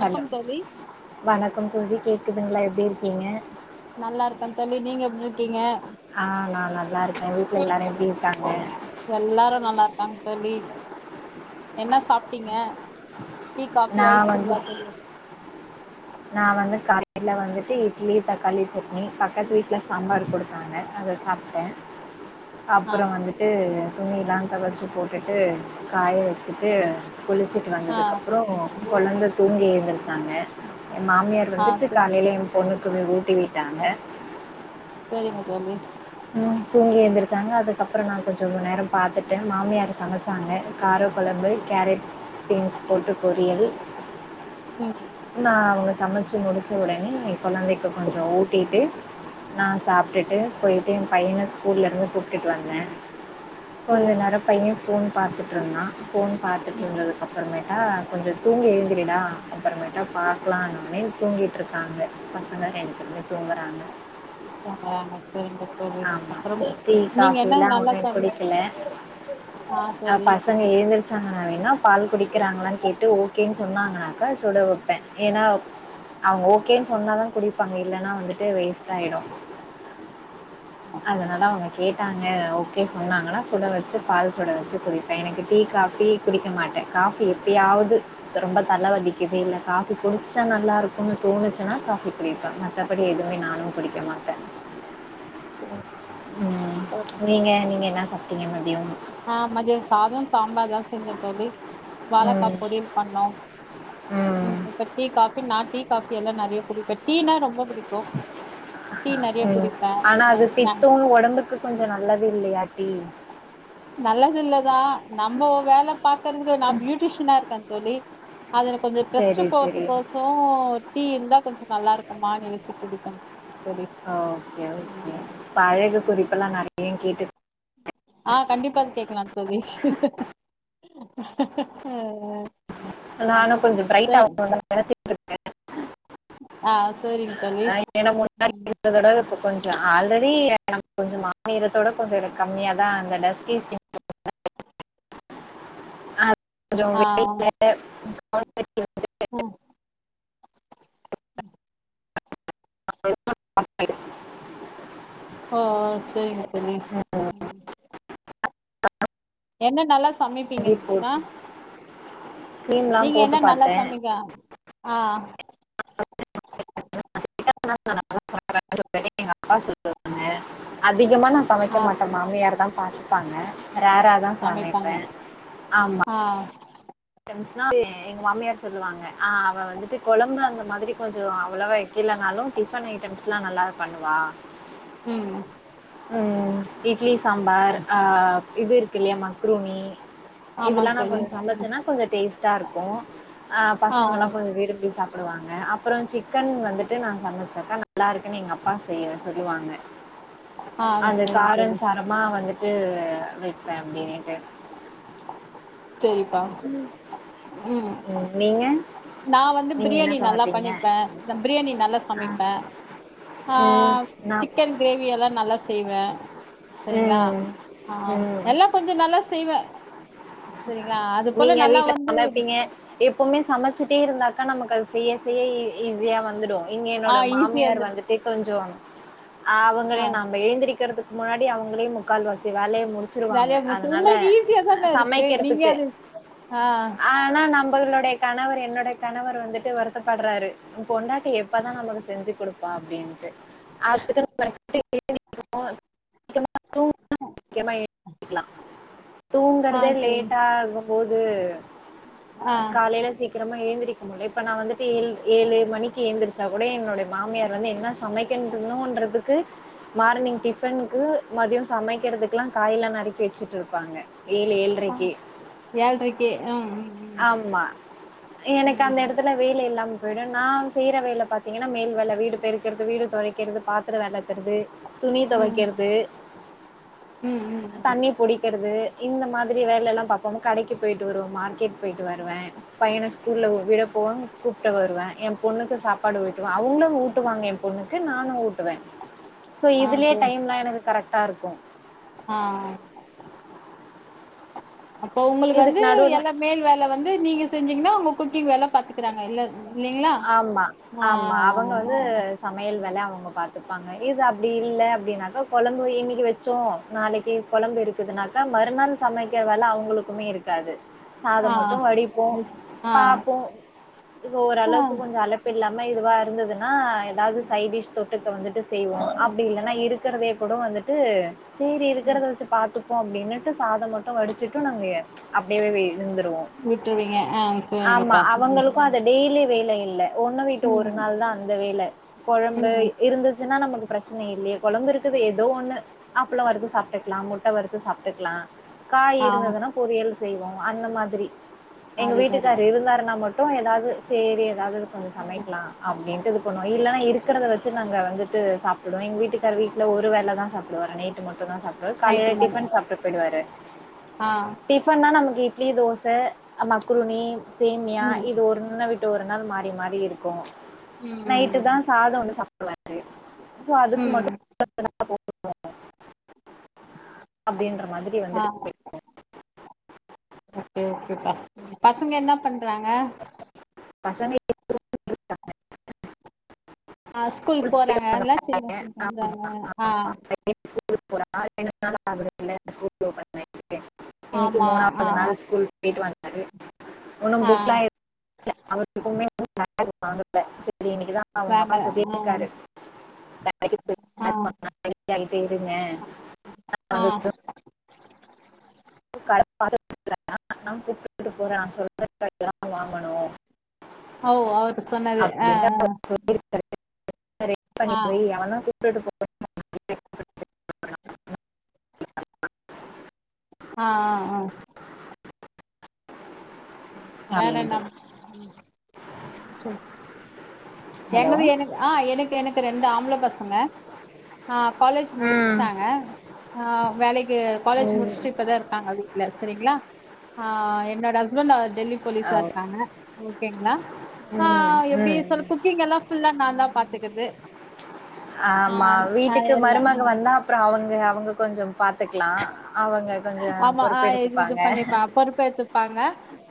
Hello தோழி வணக்கம் தோழி கேக் நீங்கல்லா எப்டி இருக்கீங்க நல்லா இருக்கே தம்பி நீங்க எப்டி இருக்கீங்க ஆ நான் நல்லா இருக்கேன் வீட்ல எல்லாரும் எப்படி இருக்காங்க? எல்லாரு நல்லா இருக்காங்க தம்பி என்ன சாப்டீங்க டீ காஃபி ஆயிட்ச்சுங்களா [unintelligible] நா வந்து கா ல வந்துட்டு இட்லி தக் [unintelligible] நீீ பக்கத்து வீட்ல சாம்பார் கொடுத்தாங்க அத சாப்ட்டே ஆ அப்றோ வந்துட்டு துணியெல்லா தொவச்சு போட் விட்டுட்டு காய வச்சுட்டு குளிச்சிட்டு ஆ வந்ததுக்கப்றோ கொழந்த தூங்கி எந்துருச்சாங்க என் மாமியார் ஆ வந்துட்டு சரி காலைல என் பொண்ணுக் [unintelligible] ஊட்டி விட்டாங்க ஆ எனக்கு வந்து தூங்கி பாத்துட்டு மாமியார் சமைச்சாங்க கார கொழம்பு கேரட் பீன்ஸ் போட்டு பொரியல் ம் நா அவங்க சமச்சு முடு [unintelligible] கொழந்தைக்கி கொஞ்சோ ஊட்டிட்டு நா சாப்ட்டுட்டு போயி என் பையன ஸ்கூல்ல இருந்து கூட்டிட்டு வந்தே கொஞ்ச சரிங்க நேரோ பைய [unintelligible] பாத்துட்ருந்தா ஃபோன ம் பாத்துட்ருந்ததுக்கு அப்பறமேட்டா கொஞ்ச தூங்கி எழுந்திரிடா அப்பறமேட்டா பாக்கலான்னவுட்னே தூங்கிட்ருக்காங்க பசங்க ரெண்டு பேருமே தூங்கறாங்க தூங்குறாங்க ஆமா டீ காஃபி என்ன எல்லா நல்லா ஒண்ணும் சாப்டுவீங்க குடிக்கல ஆ அ தோழி பசங்க எழுந்துருச்சு ட்டு நா என்னா பால் குடிக்கிறாங்களானு கேட்டு ஓகேன்னு சொன்னாங்கனாக்கா சுட வைப்பே ஏன்னா அவங்க ஓகேன்னு சொன்னாதா குடிப்பாங்க இல்லனா வந்துட்டு வேஸ்ட் ஆயிடு அதனால அவங்க கேட்டாங்க ஓகே சொன்னாங்கனா சுட வச்சு பால் சுட வச்சு குடிப்பே எனக்கு டீ காஃபி குடிக்க மாட்டே காஃபி எப்பயாவது ரொம்ப தலை வலிக்குது இல்ல காஃபி குடிச்சா நல்லா இருக்கும்னு தோணுச்சுனா குடிப்பே மத்தபடி எதுவுமே நானும் குடிக்க மாட்டே ம் அப்புறம், நீங்க நீங்க என்ன சாப்டீங்க மத் [unintelligible] ஆ மதியோ சாதோ சாம்பார்தா செஞ்சன்னு சொல்லி வாழக்கா ம். பொரிய பண்ணோ ம் இப்ப டீ காபி நான் டீ காபி எல்லாம் நெறைய புடிக்கு டீனா ரொம்ப புடிக்கு ம் ஆனா அ அது ஸ்நா பித்ததோ ஓடம்புக்கு கொஞ்சம் நல்லது இல்லையா நல்லது இல்லதான் நம்போ வேல பாக்குறதுக்கு நான் பியூட்டிஷியனா இருக்கேன் தோழி அதல கொஞ்சம் டஸ்ட் சரி, சரி. போறதுக் கோசோம் டீ இருந்தா கொஞ்சம் நல்லா இருக்கும் ஆமா [unintelligible] ஆ ஓகே ஓகே இப்ப அழகு குறிப்பெல்லா நெறைய கேட்டுட் ஆஹ் கண்டிப்பா அது கேக்கலாம் தோழி ஆ நானும் கொஞ்சம் சே ப்ரைட்டா [unintelligible] [unintelligible] ஆ சேரிங்க தோழி அ ஆ ஏன்னா முன்னாடி ம் இருந்ததவிட இப்ப கொஞ் ஆல்ரெடி நம்ம கொஞ்சோ மாநிறத்த விட கொஞ்சோ எனக்கு கம்மியாதா அந்த [inaudible] ஆ ஆ [unintelligible] [inaudible] உம் ம் [inaudible] ஆஹ் செரிங்க செரிங்க எண்ணை நல்லா சமைப்பீங்க க்கா போட்டு கிரீம்லாம் நீங்க போட்டு என்ன நல்லா பாத்தேன். சமைங்க ஆ [inaudible] [unintelligible] அத் அதிகமாக நான் சமைக்க ஆ ச மாட்டேம்மா மாமியார் தான் [unintelligible] வாங்க ரேரா தான் சமைப்பாங்க சமைப்பேன் ஆமா ஆ வந்த்ச்சுனா எ எங்க மாமியார் சொல்லுவாங்க ஆ அவ வந்துட்டு கொழம்பு அந்த மாதிரி கொஞ்சோ அவ்ளவா இல்லனாலு டிஃபன் ஐட்டம்ஸ்லா நல்லாவே பண்ணுவா ம் ம் இப் இட்லி சாம்பார் ஆ இது இருக்கு இல்லயா மக்ரூனி ஆமாங் இதுல்லாம் நான் தோழி கொஞ்சம் ம் சமைச்சன்னா கொஞ்சம் டேஸ்ட்டா இருக்கும் ஹா ஆ பசங்கல்லாம் கொஞ்ச வரும்பி சாப்ப சப்பிடுவாங்க அப்புறம் சிக்கன் வந்துட்டு நா சமச்சாக்கா நல்ல இருக்குன்னு எங்க அப்பா செய்ய சொல்லுவாங்க ஆ அந்த சரிங் காரன் தோழி சாரமா வந்துட்டு வேப்பேன் அப்டின்னு [unintelligible] செரிப்பா உம் நீங்க நான் வந்து நீங்க என்ன பிரியாணி நல்ல சமைப்பீங்க பண்ணிப்பேன் பிரியாணி நல்ல சமபேன் ஹா ம் நா சிக்கன் கிரேவியெல்லா நல்ல செய்வேன் சரிங்களா ம். ஹா ம். எல்லாம் கொஞ்ச நல்லா செய்வேன் நீங்க வீட்டுல சமப்பீங்க எப்வுமே சமைச்சு சுட்டிய இருந்தாக்கா நமக்கு அது செய்ய-செய்ய ஈஸியாக வந்துடும் இங்க ஆ என்னோட ஈஸியா இருந்து மாமியார் வந்துட்டு கொஞ்சோ அவுங்கள ஆ நாம எழுந்திருக்கிறதுக்கு முன்னாடி அவுங்கலே முக்கால் வாசி வேலய மு வேலையா முடிச்சு உங்களுக்கு ஈஸியா தான இருக்கு நீ சமைக்கிறதுக்கு. அது ஹா நம்மளுடைய கணவர் என்னுடைய கணவர் வந்துட்டு வருத்தப்படுறாரு பொண்டாட்டி எப்தான் நமக்கு செஞ்சு கொடுப்பா அப்படின்ட்டு அதுக்கு நம்ம [unintelligible] ஆ தூங்குறதே சரி லேட் [unintelligible] போது ஆ காலையில சீக்கிரமா எழுந்து இப்ப நா வந்துட்டு ஏ ஏழு மணிக்கு ஏழுந்திரிச்சா கூட என்னோட மாமியார் வந்து என்ன சமக்கனும்றதுக்கு மார்னிங் டிபனுக்கு மதியம் சமக்கிறதுயெல்லாம் காயல்லாம் நறுக்கி வச்சுட்டு இருப்பாங்க ஏழு ஏழட்ரக்கி ஏழ்ரைக்கு ம் ஆமா எனக்கு ம் அந்த ம் இடத்துல வெயில இல்லாம் போயிடும் நான் செய்யற வேலை பாார்த்தீங்கன்னா மேல் வேலை வீடு பெருக்கிறது வீடு துடக்கிறது பாத்திர விளக்குறது துணி ம் ம் துவைக்கர்து ம் ம் ம் தண்ணி புடிக்கர்து இந்த மாதிரி வேலயெல்லாம் பா அப்ப கடைக்கு போயிவிட்டு வருவோன் மார்கெட் போயிட்டு வருவேன் பையனை ஸ்கூலில் விட போவன் கூப்பிட்டு வருவேன் என் பொண்ணுக்கு சாப்பாடு ட்டுவேன் அவுங்களும் ஊட்டுவாங்க என் பொண்ணுக்கு நானும் ஊ ட்வேன் ஆ இதுலயே டைம்லாம் எனக்கு கரெக்ட் கரெக்டா இருக்கும் ஹா அப்போ உங்ளுக்கு இதுக்கு வந்து நடுவுல எல்லா மேல் வேல வந்து நீங்க செஞ்சீங்னா [unintelligible] வேலை பாத்துக்கறாங்க இல்ல இல்லைங்களா ஆமா ஆ ஆமா அவங்க வந்து சமையல் வேல அவங்க பாத் வத்துப்பாங்க இது அப்டி இல்ல அப்டின்னாக்கா கொழம்பு இன்னிக்கி வச்சோம் நாளைக்கு கொழம்பு இருக்குதுனாக்க மறுநாள் சமைக்கிற வேலை அவங்களுக்குமே இருக்காது ஆ சாதம் மட்டும் வடிப்போம் ஆ ஆ பார்ப்போம் இ ஆ ஓரளவுக்கு [unintelligible] இல்லாம இதுவா இருந்ததுன் ஆ ஏதாவது சைடிஷ் தொட்டுக்க வந்துட்டு செய்வோம் அப்டி இல்லன்னா இருக்கிறதே கூட வந்துட்டு சரி இருக்கறத வச்சு பாத்து [unintelligible] நின்னுட்டு சாதம் மட்டும் வடிச்சுட்டு நாங்க அப்டியவேவே இருந்துருவோம் விட்டுருவீங்க ஆ ஆமா சரிங்கப்பா அவங்களுக்கும் ம் அத டெய்லி வேலைய இல்ல ஒண்ணு விட்டு ஒரு ம் நாள் தான் அந்த வேல கொழம்பு ம் ம். இருந்துச்சுன்னா நமக்கு பிரச்சனை இல்லையே குழம்பு இருக்குது ஏதோ ஒண்ணு அப்பளம் வறுத்து சாப்ட்டுக்கலாம் முட்ட வறுத்து சாப்ட்டுக்கலாம் காய் ஆ இருந்ததுன்னா பொரியல் செய்வோம் அந்த மாதிரி எங்க அதே மாரி வீட்டுக்கார் இருந்தாருனா மட்டும் ஏதாவது செரி [unintelligible] ம் சமைக்கலாம் அப்டின்ட்டு இருக்கனும் இல்லன்னா இரு இருக்கரத வச்சு நாங்க வந்துட்டு சாப்பிடுவோ எங்க வீட்டுக்கார வீட்ல ஒரு வேலதான் சாப்டுவோர நை [unintelligible] கால நைட்டு மேல டிபன் சாப்பிட்டு போயிடுவாரு ஆ டிபன் நா நமக் இட்லி தோசை மக்ருனி சேமியா ம் இது ஒன்ன விட்டு ஒன் ஒரு நாள் மாறி மாறி இருக்கும் நைட்டு ம் தான் சாதம் ஒன்னு சாப் [inaudible] சோஅதுக்கு ம் மட்டும் [unintelligible] [unintelligible] அப்படின்ற மாதிரி ஆ வந்துட்டு [unintelligible] ஓகே ஓகேப்பா பசங்க என்ன பண்றாங்க பசங்க [inaudible] ஆஹ ஸ்கூலு ஸ்கூல் போயிட்டு போறாங்க அதல்லா சின்ன [unintelligible] ஹா ஒரு ஆறு மண நாள் ஆகுகது இல ந ஸ்கூ ஓப்பண்ணன் [unintelligible] இன்னைக்கு ஆமா ஆ மூணாவது நாள் ஸ்கூல் போயிட்டு வந் செரி ஒன்னும் ஆ புக்லாம் [unintelligible] அவருக்குமே [unintelligible] சரி இன்க்குதான் அவங்கம்மா வாங்கல சொல்லி ஆ ஆ [unintelligible] இருங்க ஆ [unintelligible] ஓ அவரு சொன்னது ஆ அப்படின்ட்டு ஆ அவர் சொல்லியிருக்காரு பண்ணி போய் அவ தான் விட்டுட்டு [inaudible] ஆ ஆ ஆ வேற அப்படின்ட்டு என்னது ஹலோ என்னது எனக் ஆ எனக்கு எனக்கு ரெண்டு ஆம்பள பசங்க ஆ காலேஜ் ம் முடிச்சிட்டாங்க ஆ வேலைக்கு காலேஜ் ம் முடிச்சுட்டு இப்போ தான் இருக்காங்க வீட்டில் சரிங்களா ஹா என்ன என்னோட ஹஸ்பண்ட் அவர் டெல்லி போலீஸா அஹ் இருக்காங்க ஓகேங்களா ஆ ம் எப்டி ம் சொல்ல க்கங்கல்லாம்ல்லா நான் தான் பாத்துக்குது ஆமா வீட்டுக்கு ஆஹ்ஹல்லஹ் மருமக வந்தா [unintelligible] அவங்க கொஞ்சம் பாத்துக்கலாம் அவங்க கொஞ்சம் ஆமா ஆ இது இது பொறுப்பெடுத்துப்பாங்க பண்ணிப்பா பொறுப்பேத்துப்பாங்க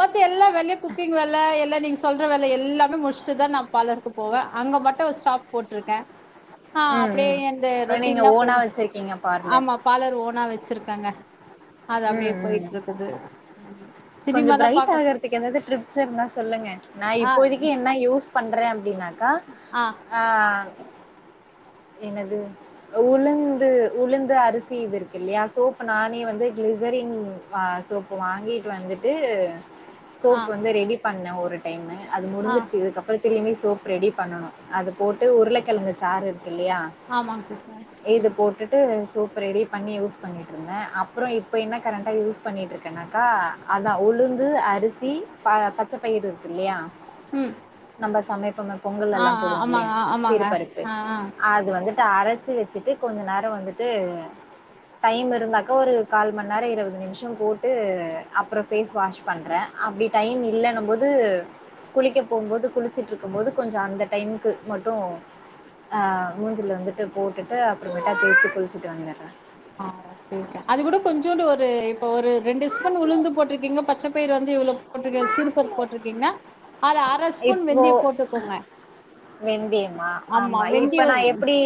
மத்த எல்லா வேலையும் குக்கிங் வேலை எல்லாம் நீங்க சொல்ற வேலை எல்லாமே முடிச்சுட்டுதான் நான் பாலருக்கு போவேன் அங்க மட்டும் ஒரு ஸ்டாப் போட்ருக்கேன் ஆஹ் ம் அப்படியே ம் அந்த அஹ் நீங்க ரொட்டின் தான் ஓனா போய்டும் வச்சிருக்கீங்க பார்லர் ஆமா போனா வச்சிருக்காங்க ம் ம் ம் கொஞ்ச சினிமாதா பிரைட் பாக்க ஆகறதுக்கு எதாவது டிப்ஸ் இருந்த சொல்லுங்க நா ஆ இப்போதைக்கி என்ன யூஸ் பண்றேன் அப்டின்னா ஆ ஆ ஆஹ் என்னது உளுந்து உளுந்து அரிசி இது இருக்கு இல்லையா சோப் நானே வந்து கிளிசரிங் சோப் வாங்கிட்டு வந்துட்டு ஆ சோப் வந்து ரெடி பண்ணே ஒரு ஒரு டைமு அது ஆ முடிஞ்சிருச்சு இதுக்கப்றம் திரும்பி சோப் ரெடி பண்ணனும் அது போட்டு உருளைக்கிழங்கு சாறு இருக்கு இல்லையா ஆமாங்க சிஸ்டர் இது ம் போட்டுட்டு சோப் ரெடி பண்ணி யூஸ் பண்ணிட் ட்ருங்க அப்றோ இப்ப என்ன கரண்டா யூஸ் பண்ணிட்டு இருக்கேனாக்கா அதான் ஒளுந்து அரிசி சி ப பச்ச பயிர் இருக்கு இல்லையா ம் நம்ம சமைப்பமே பொங்கல் ஆ எல்லாம் ஆ போடுவோம்ல ஆமாங்க ஆமாங்க சிறு பருப்பு ஆ ஆ அது வந்துட்டு அர ச்சு வச்சுட்டு கொஞ்ச நேரோ வந்துட்டு டைம் இருந்தாக்கா ஒரு கால் மணி நேரோ இருவது நிமிஷோ போட்டு அப்றோ ஃபேஸ் வாஷ் பண்றே அப்டி டைம் இல்லன்னும் போது குளிக்க போகும்போது குளிச்சுட்டு இருக்கும் போது கொஞ்சோ அந்த டைம்க்கு மட்டு [unintelligible] போட்டுட்டு அப்றமேட்டா தேச்சு குளிச்சிட்டு வந்தர்றேன் ஆஹ் ச அது கூட கொஞ்சோண்டு ஒரு இப்ப ஒரு ரெண்டு ஸ்பூன் உளுந்து போட்டிருக்கீங்க பச்சைப்பயிர் வந்து இவ்ளோ போட்டிருக்க சிறுபர் போட்டிருக்கீங்க இப்போ வெந்தியமா ஆமா வெந்தய இப்ப நான் வந்து எப்டி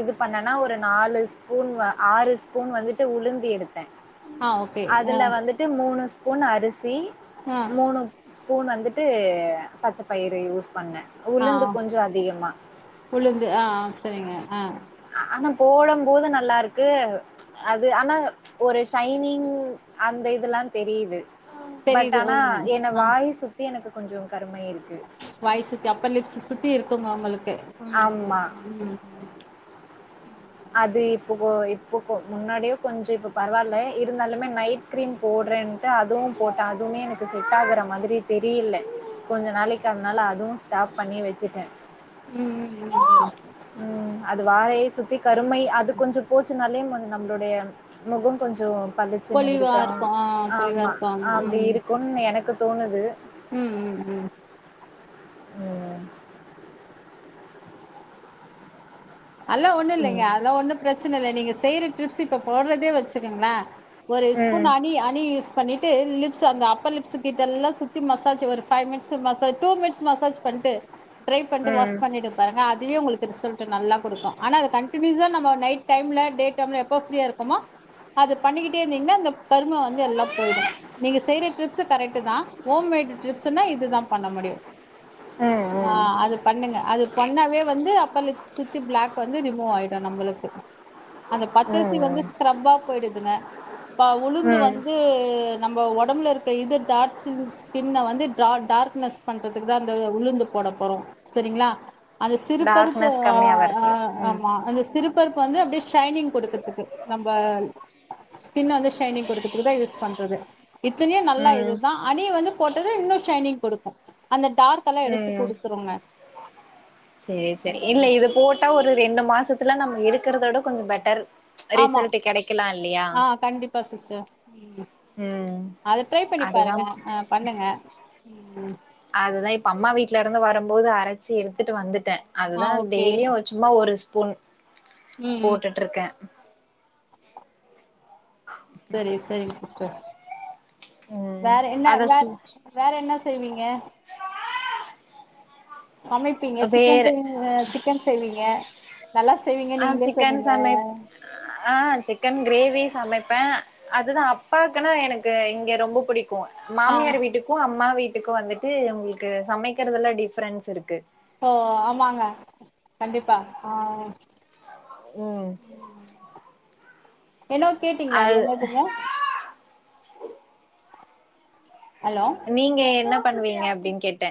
இது பண்ணனா ஒரு நாலு ஸ்பூன் ஆறு ஸ்பூன் வந்துட்டு உளுந்து எடுத்தேன் ஆ ஓகே ஆ அதுல வந்துட்டு மூணு பொன் அரிசி ஆ மூணு ஸ்பூன் வந்துட்டு இது பச்சஒ பயிறு யூஸ் பண்ணன் ஆ உளுந்து கொஞ்சம் அதிகமா உளுந்து ஆ ஆ சரிங்க ஆ ஆனா போடம் போது நல்லா இருக்கு அது ஆனா ஒரு ஷைனிங் அந்த இதுல்லாம் தெரியுது பட் தெரியுது ஆனா ம் என்ன ஆ வாய் சுத்தி எனக்கு கொஞ்சம் கரும இருக் வாய் சுத்தி அப்பர்லிப்ஸ் சுத் [unintelligible] இருக்குங்க உங்களுக் ஹும் ம் ஆமா ம் ம் ம் ம் அது இப்போ கோ இப்போ கோ முன்னாடியோ கொஞ்சம் இப்ப பரவாயல இருந்தாலுமே நைட் கிரீம் போடுறேன்ட்டு அதுவும் போட்டேன் அதுவுமே எனக்கு செட் ஆகுற மாதிரி தெரியல கொஞ்ச நாளைக்கு அதனால அதுவும் ஸ்டாப் பண்ணி வச்சு ச்சிட்டேன் ம் ம் ம் ம் உம் அது வாறையே சு [unintelligible] கருமை அது கொஞ்சம் போச்சு நல்ல [unintelligible] நம்மளுடைய முகம் கொஞ்சோ பளிச்சின்னு பொலிவா இருக்கிறோம் இருக்கு ஆ பொலிவா ஆமா இருக்கு ம் அப்டி இருக்கும்ன்னு எனக்கு தோணுது ம் ம் ம் உம் அல்லாம் ஒண்ணுல்லைங்க ம். அதெல்லா ஒன்னும் பிரச்சனை இல்ல நீங்க செய்ற டிப்ஸு இப்ப போட்றதே வச்சுக்குங்களே ஒரு ஸ்பூன் ம். அணி அணி யூஸ் பண்ணிட்டு லிப்ஸ் அந்த அப்பர் லிப்ஸ் கிட்ட எல்லாம் சுத்தி மசாஜ் ஒரு five minutes massage two minutes massage பண்ட்டு ட்ரை பண்ட்டு ம். வாஷ் பண்ணிடுங்க ஏன்னா அதுவே உங்ளுக்கு ரிசல்ட் ட்டு நல்லா குடுக்கு ஆனா இத கண்டினியூஸா நம்ம நைட் டைம்ல டே டைம்ல எப்ப ஃப்ரீயா இருக்கமோ அது பண்ணிக்கிட்டே இருந்தீங்கன்னா இந்த கருமை வந்து எல்லாம் போயிடு நீங்க செய்ற டிப்ஸு கரெக்ட்டுதா, ஆனா ஹோம் மேட் டிப்ஸ்னா இதுதா பண்ண முடியு ஆ ம். ம். அது பண்ணுங்க அத பண்ணாவே வந்து அப்பர் லிப்ஸ் சுத் த்தி பிளாக் வந்து ரிமூவ் ஆயிடு நம்மளுக்கு அந்த பச்சரிசி வந்து ம். ஸ்கரப்பா போயிடுதுங்க இப்ப உளுந்து ம். வந்து நம்ம ஒட் ஒடம்புல இருக்க இது டார்க் சின்ஸ் ஸ்கின்னதா டார் டார்க்னெஸ் பண்றதுக்கு தான் அந்த உளுந்து போடப் போறோம் சரிங்களா அந்த சிறுபறுப்பு டார்க்னஸ் ஆ கம்மியா ஆ வருது. ம். ஆமா அந்த சிறுபருப்பு வந்து அப்டியே ஷைனிங் குடுக்கறதுக்கு நம்ப ஸ் ஸ்கின் வந்து ஷைனிங் குடுக்கறதுக்குதான் யூஸ் பண்றது இத்தனையு நல்ல ம். இதுதா ஹனி வந்து போட்டது இன்னும் ஷைனிங் கொடுக்கும் அந்த டார்க்கெல்லா எடுத்து ம் குடுத்துருங்க ட்ல ஒரு ரெண்டு மாசத்துல நம்ம இருக்கறதோட கொஞ்சம் பெட்டர் ரிசல்ட் கெடைக்கலா இல்லையா அஸ்ஸஸ்ஸோ ம் ம் அது ட்ரை பண்ணி அதுதா பாருங்க ஆ பண்ணுங்க ம் ட்ல இருந்து வரும்போது அரைச்சி எடுத்துட்டு வந்துட் ட்டே ஆ அதுதா ஓகே டெய்லியும் சும்மா ஒரு ஸ் பூன் ம் ம் போட்டுட்டுருக்கே [inaudible] செரி செரிங்க சிஸ்டர் ம் வேற என்ன அத வேற சு வேற என்ன செய்வீங்க சமைப்பீங்க சிக்கன் வேற செய்வீங்க சிக்கன் செய்வீங்க நல்லா செய்வீங்க ஆ நீங்களே சிக்கன் சொன்னீங்க சமைப் ஆ சிக்கன் கிரேவி சமைப்பே அதுதா அப்பாக்குனா எனக்கு இங்க ரொம்ப பிடிக் க்கும் ஆ மாமியார் வீட்டுக்கும் அம்மா வீட் இதுக்கு வந்துட்டு உங்களுக்கு சமைக்கிறதெல்லா டிஃபரென்ஸ் இருக்கு ஓ ஆமாங்க கண்டிப்பா ஆ ம் என்னவோ கேட்டீங்களே அது என்னதுங்க ஹலோ நீங்க என்ன பண்ணுவீங்க அப்டின்னு கேட்டே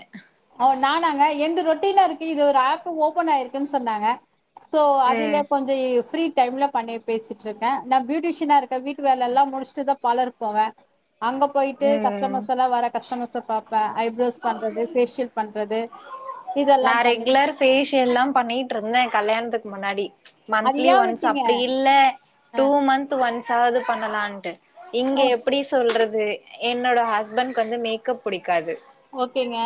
ஓ நானாங்க என்து ரொட்டீனா இருக்கு இது ஒரு ஆப் ஓபன் ஆயிருக்குன்னு சொன்னாங்க சோ அதுல ம் கொஞ்சம் ஃப்ரீ டைம்ல பண்ணி பேசிற்றுக்கேன் நான் பியூட்டிஷியனா இருக் [unintelligible] வீட்டு வேல எல்லா முடிச்சட்டுதா பலர் போவ அங்க போயிட்டு ம் கஸ்டமர்ஸ் எல்லாம் வர கஸ்டமர்ஸ பாப்பேன் ஐப்ரோஸ் பண்றது ஃபேஷியல் பண்றது இதெல்லா நான் பண்ணி ரெகுலர் பேஷியல்லாம் பண்ணிட்ருந்தேன் கல்யாணத்துக் முன்னாடி அது மந்த்லி ஏ ஒன்ஸ் விட்டீங்க அப்டி இல்ல அ டூ மந்த் ஒன்ஸ் ஆவது பண்ணலான்ட்டு இங்க ஓ எப்படி சொல்றது அது என்னோட ஹஸ்பண்ட்க்கு வந்து மேக்கப் பிடிக்காது ஓகேங்க